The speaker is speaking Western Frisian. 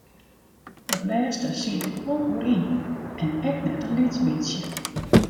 Dat lêste siet ik wol oer yn en ek net in lyts bytsje.